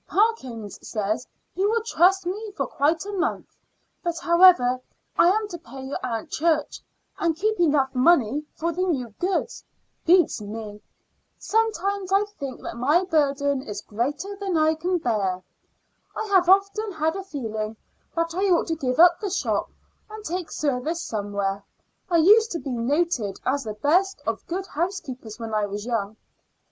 Parkins says he will trust me for quite a month; but however I am to pay your Aunt Church, and keep enough money for the new goods, beats me. Sometimes I think that my burden is greater than I can bear. I have often had a feeling that I ought to give up the shop and take service somewhere. I used to be noted as the best of good housekeepers when I was young."